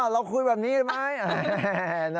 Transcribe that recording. เราคุยแบบนี้ไหม